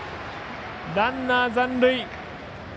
ランナー残塁。